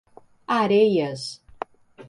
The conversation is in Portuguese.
Areias